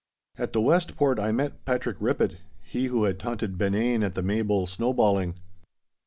At the West Port I met Patrick Rippett, he who had taunted Benane at the Maybole snowballing.